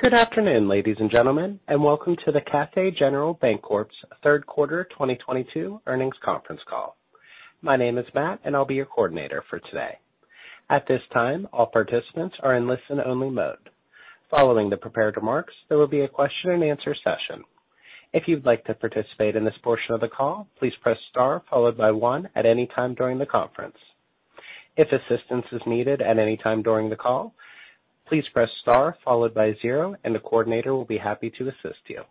Good afternoon, ladies and gentlemen, and welcome to the Cathay General Bancorp's Third Quarter 2022 Earnings Conference Call. My name is Matt and I'll be your coordinator for today. At this time, all participants are in listen-only mode. Following the prepared remarks, there will be a question-and-answer session. If you'd like to participate in this portion of the call, please press Star followed by one at any time during the conference. If assistance is needed at any time during the call, please press Star followed by zero and the coordinator will be happy to assist you.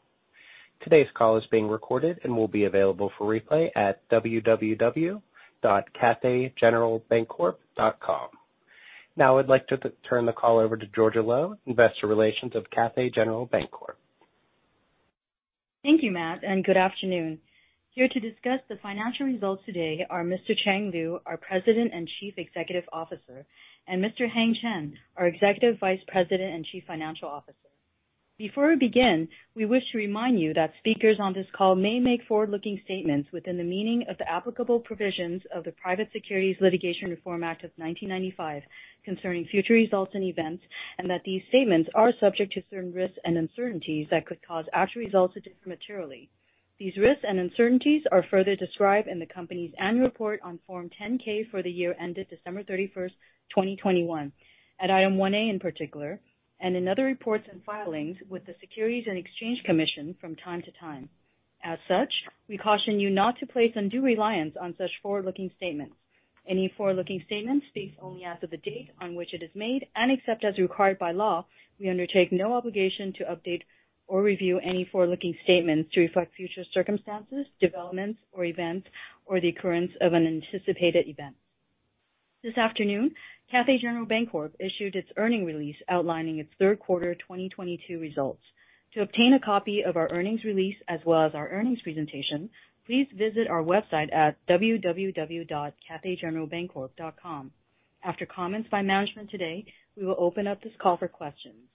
Today's call is being recorded and will be available for replay at www.cathaygeneralbancorp.com. Now I'd like to turn the call over to Georgia Lo, Investor Relations, Cathay General Bancorp. Thank you, Matt, and good afternoon. Here to discuss the financial results today are Mr. Chang Liu, our President and Chief Executive Officer, and Mr. Heng Chen, our Executive Vice President and Chief Financial Officer. Before we begin, we wish to remind you that speakers on this call may make forward-looking statements within the meaning of the applicable provisions of the Private Securities Litigation Reform Act of 1995 concerning future results and events, and that these statements are subject to certain risks and uncertainties that could cause actual results to differ materially. These risks and uncertainties are further described in the company's annual report on Form 10-K for the year ended December 31st, 2021, at Item 1A in particular, and in other reports and filings with the Securities and Exchange Commission from time to time. As such, we caution you not to place undue reliance on such forward-looking statements. Any forward-looking statements speak only as of the date on which it is made, and except as required by law, we undertake no obligation to update or review any forward-looking statements to reflect future circumstances, developments or events, or the occurrence of an anticipated event. This afternoon, Cathay General Bancorp issued its earnings release outlining its third quarter 2022 results. To obtain a copy of our earnings release as well as our earnings presentation, please visit our website at www.cathaygeneralbancorp.com. After comments by management today, we will open up this call for questions.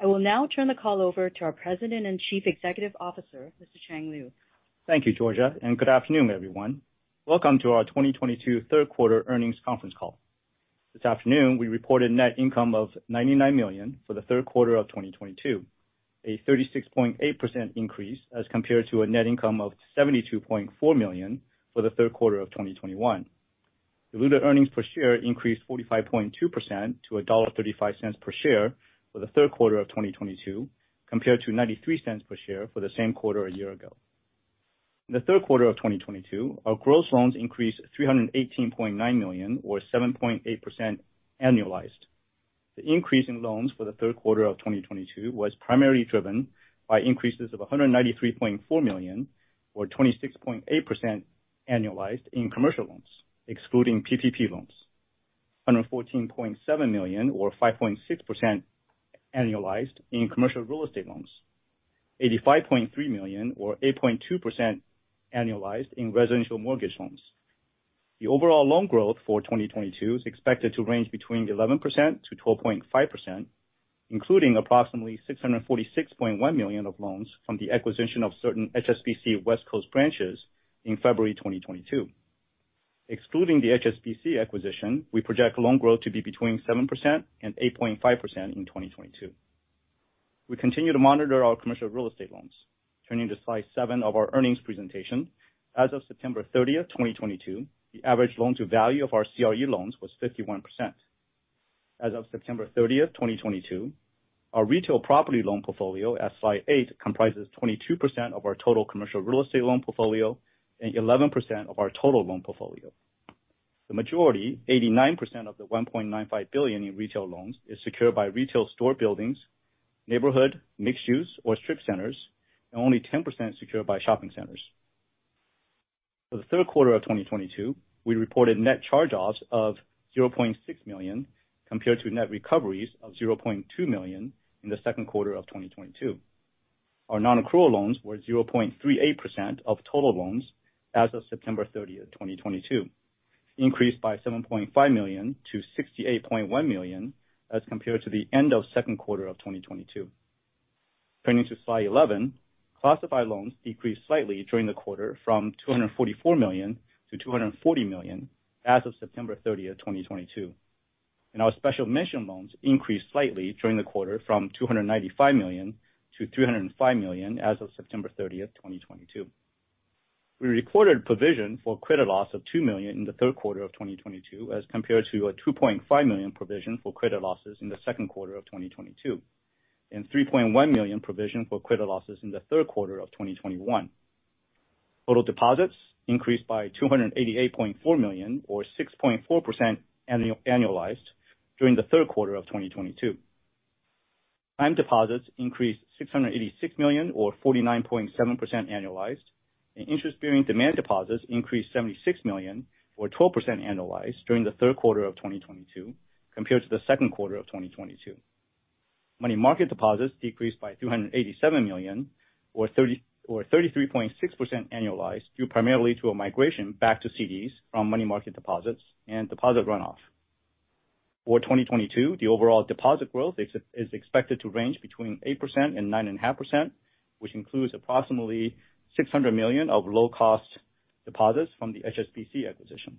I will now turn the call over to our President and Chief Executive Officer, Mr. Chang Liu. Thank you, Georgia, and good afternoon, everyone. Welcome to our 2022 third quarter earnings conference call. This afternoon, we reported net income of $99 million for the third quarter of 2022, a 36.8% increase as compared to a net income of $72.4 million for the third quarter of 2021. Diluted earnings per share increased 45.2% to $1.35 per share for the third quarter of 2022, compared to $0.93 per share for the same quarter a year ago. In the third quarter of 2022, our gross loans increased $318.9 million or 7.8% annualized. The increase in loans for the third quarter of 2022 was primarily driven by increases of $193.4 million or 26.8% annualized in commercial loans, excluding PPP loans. $114.7 million or 5.6% annualized in commercial real estate loans. $85.3 million or 8.2% annualized in residential mortgage loans. The overall loan growth for 2022 is expected to range between 11%-12.5%, including approximately $646.1 million of loans from the acquisition of certain HSBC West Coast branches in February 2022. Excluding the HSBC acquisition, we project loan growth to be between 7% and 8.5% in 2022. We continue to monitor our commercial real estate loans. Turning to slide seven of our earnings presentation, as of September 30th, 2022, the average loan-to-value of our CRE loans was 51%. As of September 30th, 2022, our retail property loan portfolio, as shown on slide eight, comprises 22% of our total commercial real estate loan portfolio and 11% of our total loan portfolio. The majority, 89% of the $1.95 billion in retail loans, is secured by retail store buildings, neighborhood, mixed-use or strip centers, and only 10% is secured by shopping centers. For the third quarter of 2022, we reported net charge-offs of $0.6 million compared to net recoveries of $0.2 million in the second quarter of 2022. Our non-accrual loans were 0.38% of total loans as of September 30th, 2022, increased by $7.5 million to $68.1 million as compared to the end of second quarter of 2022. Turning to slide 11, classified loans decreased slightly during the quarter from $244 million to $240 million as of September 30th, 2022. Our special mention loans increased slightly during the quarter from $295 million to $305 million as of September 30, 2022. We recorded provision for credit loss of $2 million in the third quarter of 2022 as compared to a $2.5 million provision for credit losses in the second quarter of 2022, and $3.1 million provision for credit losses in the third quarter of 2021. Total deposits increased by $288.4 million or 6.4% annualized during the third quarter of 2022. Time deposits increased $686 million or 49.7% annualized, and interest-bearing demand deposits increased $76 million or 12% annualized during the third quarter of 2022 compared to the second quarter of 2022. Money market deposits decreased by $287 million or 33.6% annualized due primarily to a migration back to CDs from money market deposits and deposit runoff. For 2022, the overall deposit growth is expected to range between 8% and 9.5%, which includes approximately $600 million of low-cost deposits from the HSBC acquisition.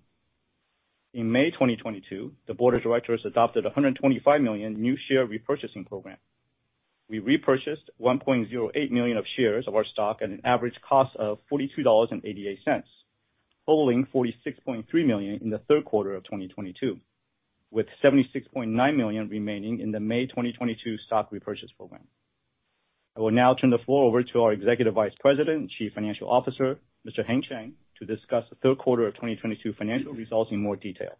In May 2022, the board of directors adopted a $125 million new share repurchasing program. We repurchased 1.08 million shares of our stock at an average cost of $42.88, totaling $46.3 million in the third quarter of 2022, with $76.9 million remaining in the May 2022 stock repurchase program. I will now turn the floor over to our Executive Vice President and Chief Financial Officer, Mr. Heng Chen, to discuss the third quarter of 2022 financial results in more detail.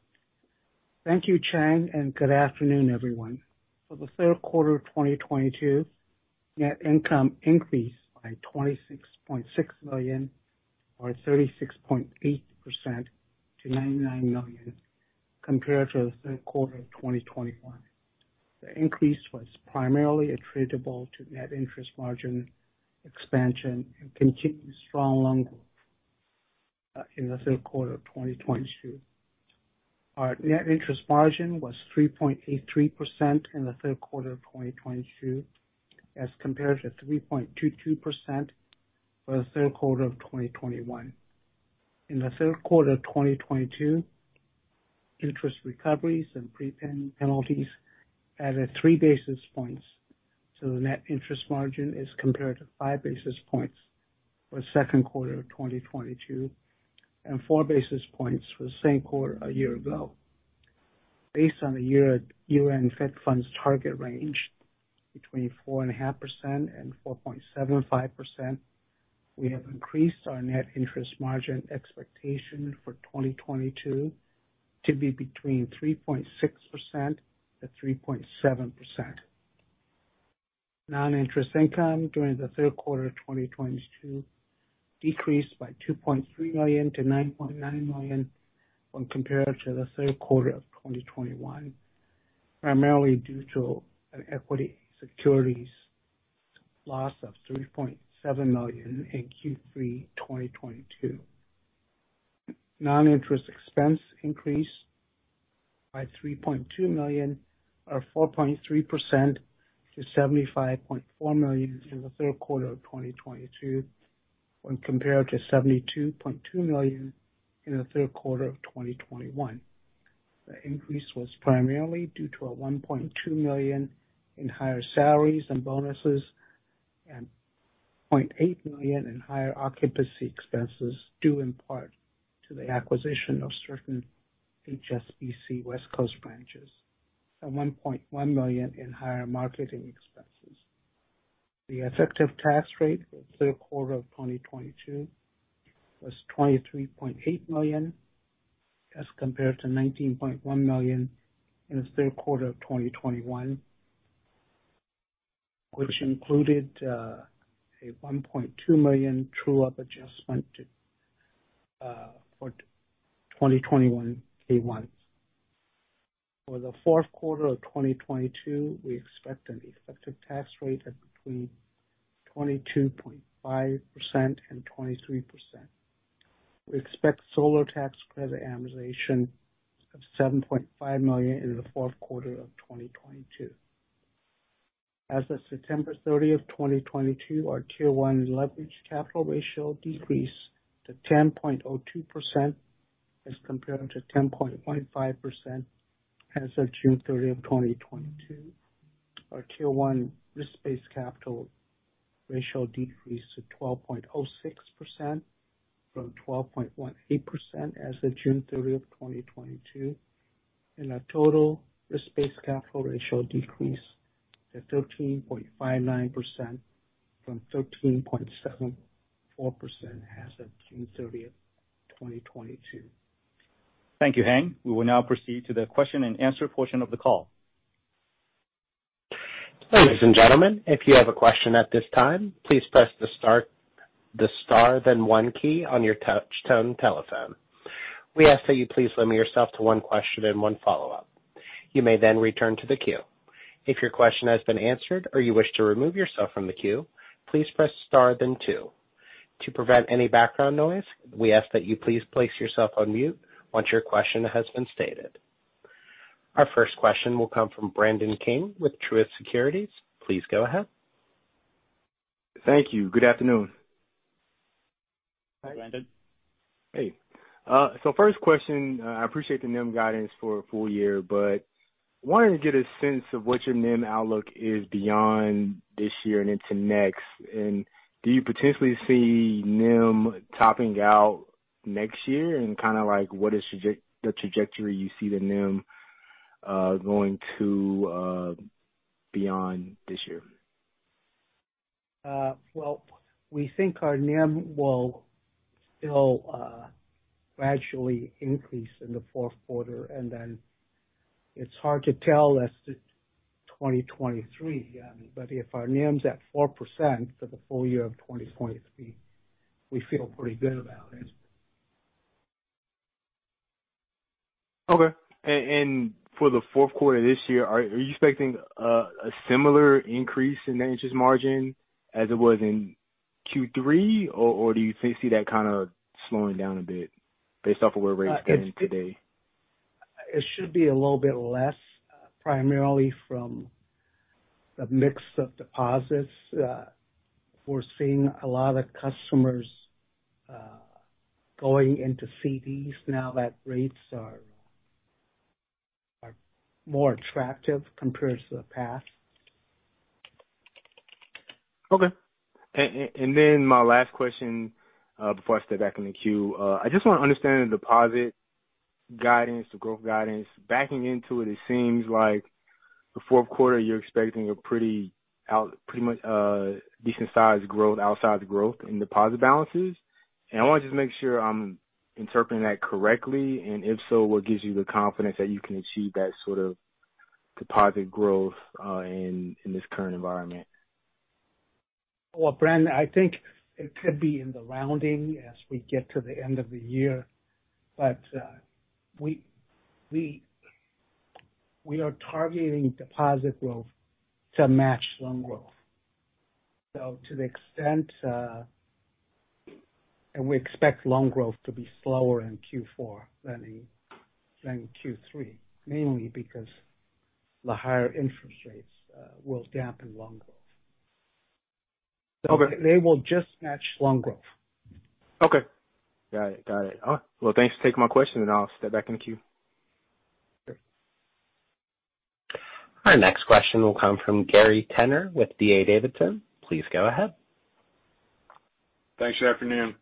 Thank you, Chang, and good afternoon, everyone. For the third quarter of 2022, net income increased by $26.6 million or 36.8% to $99 million compared to the third quarter of 2021. The increase was primarily attributable to net interest margin expansion and continued strong loan growth in the third quarter of 2022. Our net interest margin was 3.83% in the third quarter of 2022 as compared to 3.22% for the third quarter of 2021. In the third quarter of 2022, interest recoveries and prepay penalties added three basis points to the net interest margin as compared to five basis points for the second quarter of 2022 and four basis points for the same quarter a year ago. Based on the year-end Fed funds target range between 4.5% and 4.75%, we have increased our net interest margin expectation for 2022 to be between 3.6% to 3.7%. Non-interest income during the third quarter of 2022 decreased by $2.3 million to $9.9 million when compared to the third quarter of 2021, primarily due to an equity securities loss of $3.7 million in Q3 2022. Non-interest expense increased by $3.2 million or 4.3% to $75.4 million in the third quarter of 2022, when compared to $72.2 million in the third quarter of 2021. The increase was primarily due to $1.2 million in higher salaries and bonuses and $0.8 million in higher occupancy expenses, due in part to the acquisition of certain HSBC West Coast branches and $1.1 million in higher marketing expenses. The effective tax rate for the third quarter of 2022 was 23.8%, as compared to 19.1% in the third quarter of 2021, which included a $1.2 million true-up adjustment to for 2021 K-1. For the fourth quarter of 2022, we expect an effective tax rate between 22.5% and 23%. We expect solar tax credit amortization of $7.5 million in the fourth quarter of 2022. As of September 30th, 2022, our Tier 1 leverage ratio decreased to 10.02% as compared to 10.5% as of June 30th, 2022. Our Tier 1 risk-based capital ratio decreased to 12.06% from 12.18% as of June 30th, 2022. Our total risk-based capital ratio decreased to 13.59% from 13.74% as of June 30th, 2022. Thank you, Heng. We will now proceed to the question and answer portion of the call. Ladies and gentlemen, if you have a question at this time, please press the star then one key on your touch tone telephone. We ask that you please limit yourself to one question and one follow-up. You may then return to the queue. If your question has been answered or you wish to remove yourself from the queue, please press star then two. To prevent any background noise, we ask that you please place yourself on mute once your question has been stated. Our first question will come from Brandon King with Truist Securities. Please go ahead. Thank you. Good afternoon. Hi, Brandon. Hey. So first question, I appreciate the NIM guidance for a full year, but wanted to get a sense of what your NIM outlook is beyond this year and into next. Do you potentially see NIM topping out next year? Kinda like, what is the trajectory you see the NIM going to beyond this year? Well, we think our NIM will still gradually increase in the fourth quarter, and then it's hard to tell as to 2023 yet. If our NIM's at 4% for the full year of 2023, we feel pretty good about it. Okay. For the fourth quarter this year, are you expecting a similar increase in the interest margin as it was in Q3? Or do you see that kinda slowing down a bit based off of where rates stand today? It should be a little bit less, primarily from the mix of deposits. We're seeing a lot of customers going into CDs now that rates are more attractive compared to the past. Okay. Then my last question, before I step back in the queue. I just wanna understand the deposit guidance, the growth guidance. Backing into it seems like the fourth quarter you're expecting a pretty much decent sized growth, outsized growth in deposit balances. I wanna just make sure I'm interpreting that correctly. If so, what gives you the confidence that you can achieve that sort of deposit growth, in this current environment? Well, Brandon, I think it could be in the rounding as we get to the end of the year, but we are targeting deposit growth to match loan growth. To the extent we expect loan growth to be slower in Q4 than in Q3, mainly because the higher interest rates will dampen loan growth. Okay. They will just match loan growth. Okay. Got it. All right. Well, thanks for taking my question, and I'll step back in the queue. Great. Our next question will come from Gary Tenner with D.A. Davidson. Please go ahead. Thanks. Good afternoon.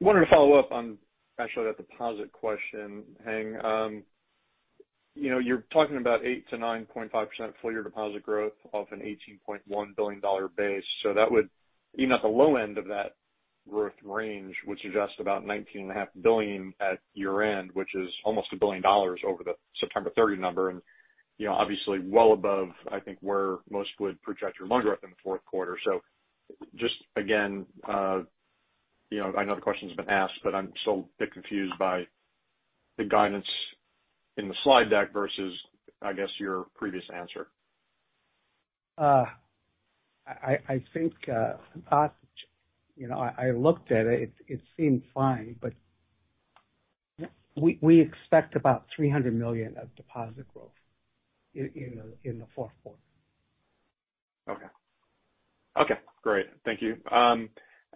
Wanted to follow up on actually that deposit question, Heng. You know, you're talking about 8%-9.5% full year deposit growth of a $18.1 billion base. That would, even at the low end of that growth range, which is just about $19.5 billion at year-end, which is almost a billion dollar over the September 30 number. You know, obviously well above, I think, where most would project your loan growth in the fourth quarter. Just again, you know, I know the question's been asked, but I'm still a bit confused by the guidance in the slide deck versus, I guess, your previous answer. I think, you know, I looked at it seemed fine, but we expect about $300 million of deposit growth in the fourth quarter. Okay. Okay, great. Thank you.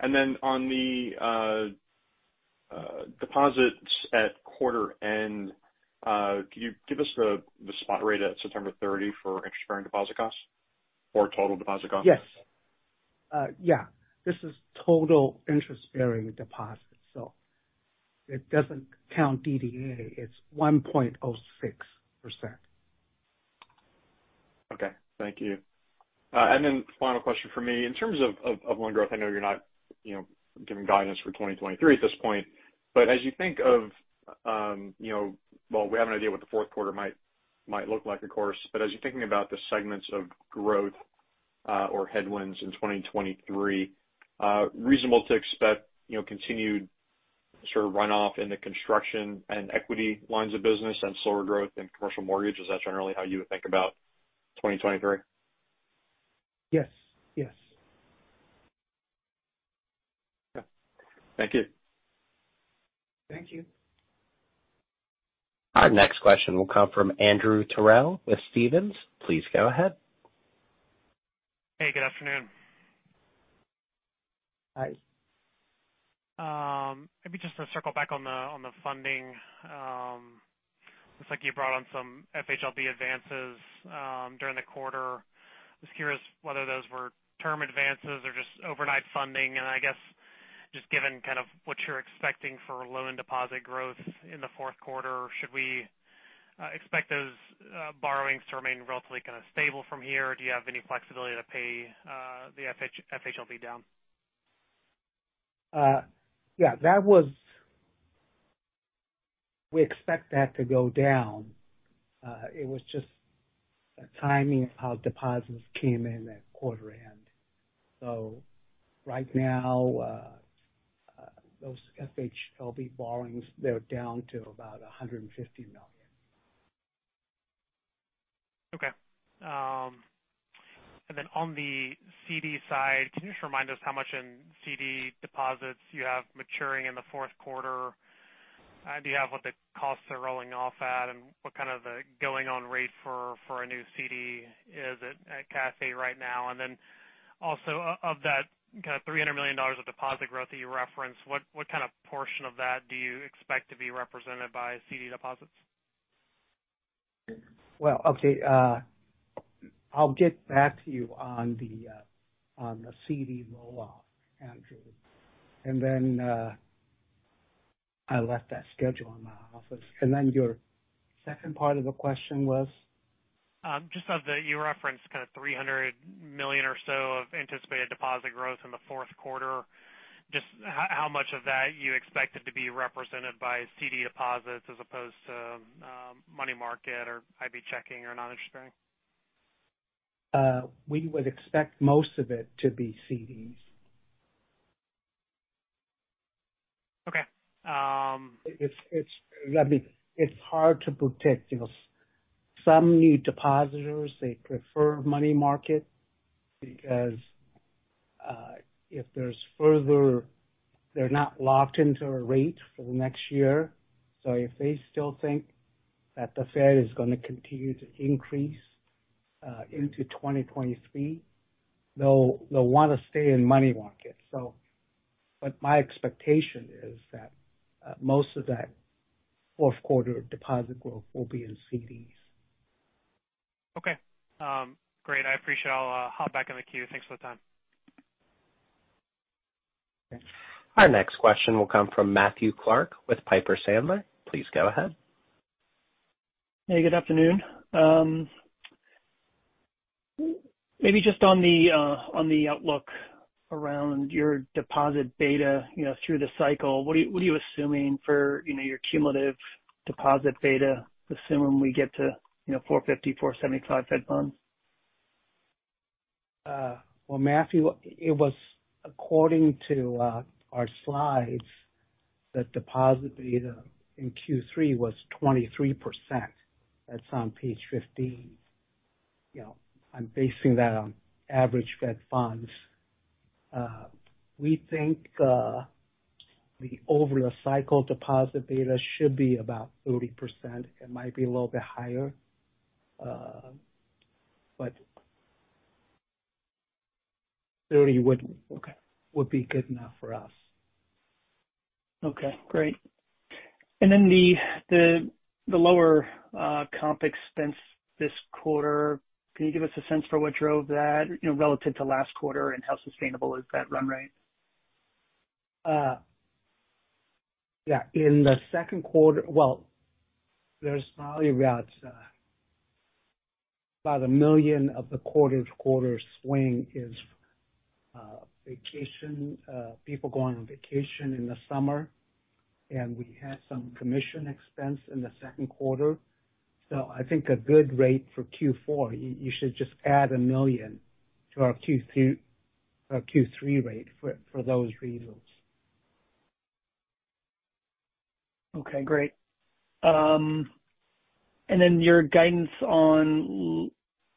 On the deposits at quarter end, can you give us the spot rate at September thirty for interest-bearing deposit costs or total deposit costs? Yes. This is total interest-bearing deposits, so it doesn't count DDA. It's 1.06%. Okay, thank you. Then final question for me. In terms of loan growth, I know you're not giving guidance for 2023 at this point. Well, we have an idea what the fourth quarter might look like of course. As you're thinking about the segments of growth or headwinds in 2023, reasonable to expect you know continued sort of runoff in the construction and equity lines of business and slower growth in commercial mortgage. Is that generally how you would think about 2023? Yes. Yes. Yeah. Thank you. Thank you. Our next question will come from Andrew Terrell with Stephens. Please go ahead. Hey, good afternoon. Hi. Maybe just to circle back on the funding. Looks like you brought on some FHLB advances during the quarter. Just curious whether those were term advances or just overnight funding. I guess, just given kind of what you're expecting for loan deposit growth in the fourth quarter, should we expect those borrowings to remain relatively kind of stable from here? Do you have any flexibility to pay the FHLB down? Yeah, we expect that to go down. It was just a timing of how deposits came in at quarter end. Right now, those FHLB borrowings, they're down to about $150 million. Okay. On the CD side, can you just remind us how much in CD deposits you have maturing in the fourth quarter? Do you have what the costs are rolling off at and what kind of the going-in rate for a new CD is at Cathay right now? Of that kind of $300 million of deposit growth that you referenced, what kind of portion of that do you expect to be represented by CD deposits? Well, okay. I'll get back to you on the CD roll-off, Andrew. I left that schedule in my office. Your second part of the question was? You referenced kinda $300 million or so of anticipated deposit growth in the fourth quarter. Just how much of that you expected to be represented by CD deposits as opposed to money market or IB checking or non-interest bearing? We would expect most of it to be CDs. Okay. I mean, it's hard to predict, you know. Some new depositors, they prefer money market because they're not locked into a rate for the next year. If they still think that the Fed is gonna continue to increase into 2023, they'll wanna stay in money market. My expectation is that most of that fourth quarter deposit growth will be in CDs. Okay. Great. I appreciate it. I'll hop back in the queue. Thanks for the time. Our next question will come from Matthew Clark with Piper Sandler. Please go ahead. Hey, good afternoon. Maybe just on the outlook around your deposit beta, you know, through the cycle, what are you assuming for, you know, your cumulative deposit beta, assuming we get to, you know, 4.50%-4.75% Fed funds? Well, Matthew, it was according to our slides that deposit beta in Q3 was 23%. That's on page 15. You know, I'm basing that on average Fed funds. We think the over a cycle deposit beta should be about 30%. It might be a little bit higher. Thirty would- Okay. Would be good enough for us. Okay, great. The lower comp expense this quarter, can you give us a sense for what drove that, you know, relative to last quarter, and how sustainable is that run rate? In the second quarter. Well, there's value route by the million of the quarter-to-quarter swing is vacation. People going on vacation in the summer, and we had some commission expense in the second quarter. I think a good rate for Q4, you should just add a million to our Q2 or Q3 rate for those reasons. Okay, great.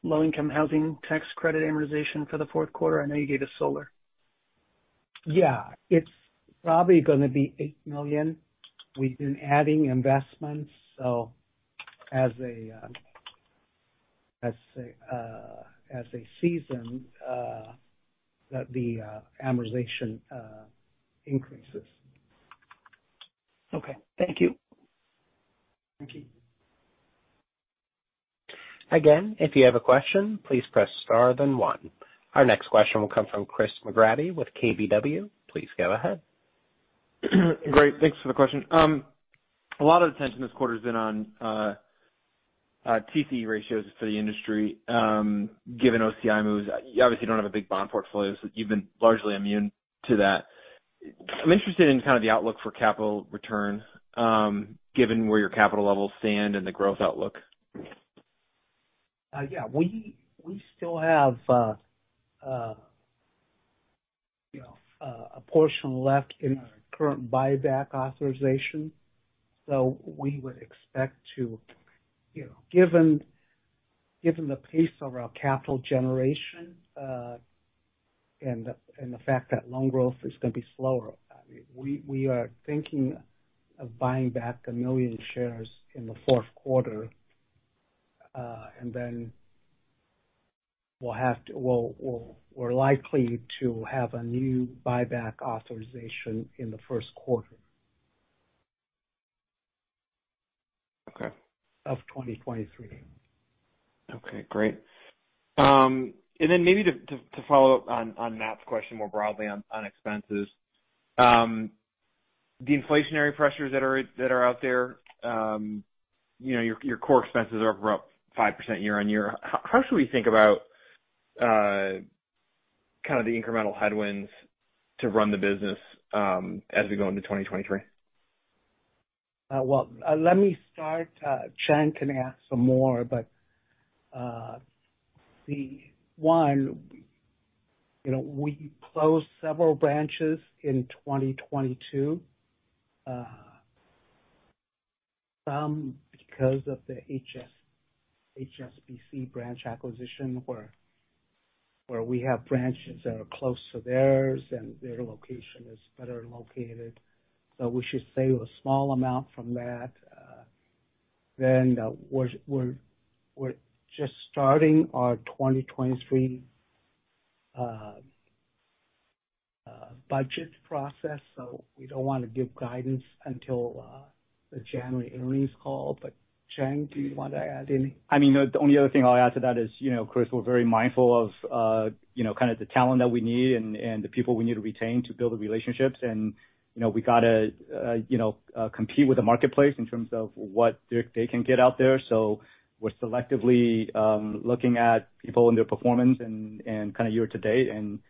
Your guidance on low-income housing tax credit amortization for the fourth quarter, I know you gave us solar. Yeah. It's probably gonna be $8 million. We've been adding investments, so as they season, the amortization increases. Okay. Thank you. Thank you. Again, if you have a question, please press star then one. Our next question will come from Chris McGratty with KBW. Please go ahead. Great. Thanks for the question. A lot of the attention this quarter has been on TCE ratios for the industry, given OCI moves. You obviously don't have a big bond portfolio, so you've been largely immune to that. I'm interested in kind of the outlook for capital return, given where your capital levels stand and the growth outlook. Yeah. We still have, you know, a portion left in our current buyback authorization. We would expect to, you know, given the pace of our capital generation, and the fact that loan growth is gonna be slower, we are thinking of buying back a million shares in the fourth quarter. We're likely to have a new buyback authorization in the first quarter. Okay. Of 2023. Okay, great. Then maybe to follow up on Matt's question more broadly on expenses. The inflationary pressures that are out there, you know, your core expenses are up 5% year-over-year. How should we think about kind of the incremental headwinds to run the business as we go into 2023? Well, let me start. Chang can add some more, but one, you know, we closed several branches in 2022, some because of the HSBC branch acquisition where we have branches that are close to theirs and their location is better located. We should save a small amount from that. We're just starting our 2023 budget process, so we don't wanna give guidance until the January earnings call. Chang, do you want to add any? I mean, the only other thing I'll add to that is, you know, Chris, we're very mindful of, you know, kind of the talent that we need and the people we need to retain to build the relationships. You know, we gotta, you know, compete with the marketplace in terms of what they can get out there. We're selectively looking at people and their performance and kind of year to date and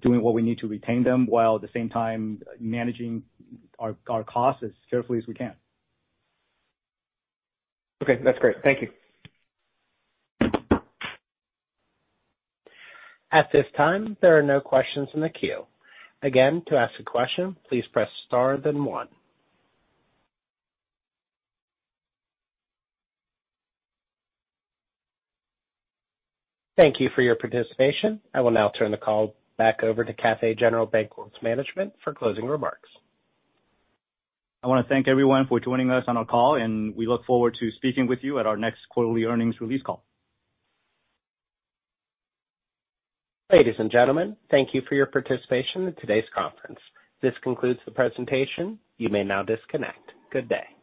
doing what we need to retain them while at the same time managing our costs as carefully as we can. Okay. That's great. Thank you. At this time, there are no questions in the queue. Again, to ask a question, please press star then one. Thank you for your participation. I will now turn the call back over to Cathay General Bancorp's management for closing remarks. I wanna thank everyone for joining us on our call, and we look forward to speaking with you at our next quarterly earnings release call. Ladies and gentlemen, thank you for your participation in today's conference. This concludes the presentation. You may now disconnect. Good day.